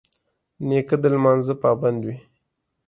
نیکه د لمانځه پابند وي.